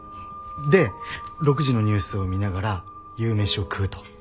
で６時のニュースを見ながら夕飯を食うと。